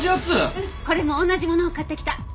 これも同じものを買ってきた。